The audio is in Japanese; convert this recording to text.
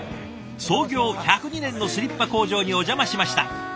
創業１０２年のスリッパ工場にお邪魔しました。